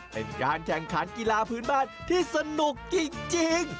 เป็นการแข่งขันกีฬาพื้นบ้านที่สนุกจริง